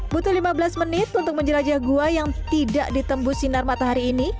butuh lima belas menit untuk menjelajah gua yang tidak ditembus sinar matahari ini